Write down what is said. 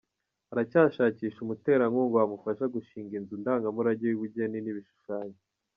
Aracyashakisha umuterankunga wamufasha gushinga inzu ndangamurage y’ubugeni n’ibishushanyo.